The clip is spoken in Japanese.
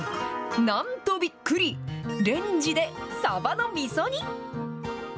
なんとびっくり、レンジでサバのみそ煮。